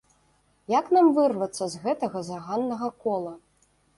Як нам вырвацца з гэтага заганнага кола?